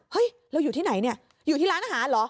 เฮ้ยเราอยู่ที่ไหนเนี่ยอยู่ที่ร้านอาหารเหรอ